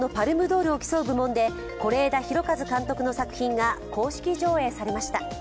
ドールを競う部門で是枝裕和監督の作品が公式上映されました。